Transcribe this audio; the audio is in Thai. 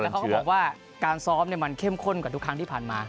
เขาก็บอกว่าการซ้อมมันเข้มข้นกว่าทุกครั้งที่ผ่านมา